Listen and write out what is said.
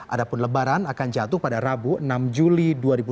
adapun lebaran akan jatuh pada rabu enam juli dua ribu dua puluh